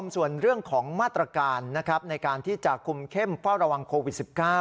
ส่วนเรื่องของมาตรการในการที่จะคุมเข้มเฝ้าระวังโควิด๑๙